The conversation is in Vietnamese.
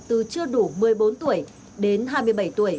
từ chưa đủ một mươi bốn tuổi đến hai mươi bảy tuổi